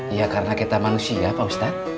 iya karena kita manusia pak ustadz